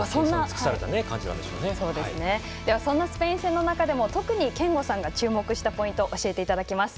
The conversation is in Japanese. ではそんなスペイン戦の中でも特に憲剛さんが注目したポイント教えていただきます。